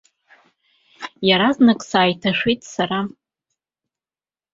Иаразнак сааиҭашәеит сара.